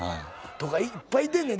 いっぱいいてんねん。